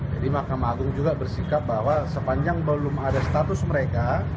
jadi mahkamah agung juga bersikap bahwa sepanjang belum ada status mereka